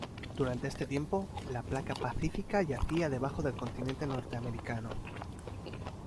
Durante este tiempo, la placa pacífica yacía debajo del continente norteamericano.